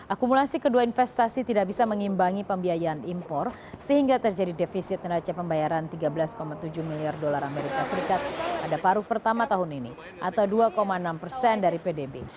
akumulasi kedua investasi tidak bisa mengimbangi pembiayaan impor sehingga terjadi defisit neraca pembayaran tiga belas tujuh miliar dolar as pada paruh pertama tahun ini atau dua enam persen dari pdb